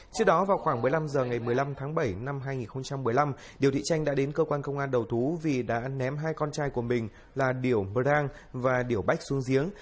trước đó vào khoảng một mươi năm h ngày một mươi năm tháng bảy năm hai nghìn một mươi năm điều thị tranh đã đến cơ quan công an đầu thú vì đã ném hai con trai của mình là điểu mờ rang và điểu bách xuống giếng